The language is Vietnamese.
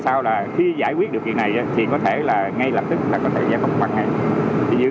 sao là khi giải quyết được việc này thì có thể là ngay lập tức là có thể giải phóng bằng ngay thì dự